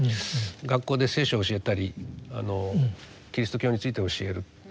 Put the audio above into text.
学校で「聖書」を教えたりキリスト教について教える。